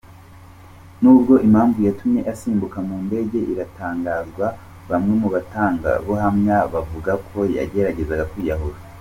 Nubwo impamvu yatumye asimbuka mu ndege itaratangazwa, bamwe mu batangabuhamya bavuga ko yageragezaga kwiyahura.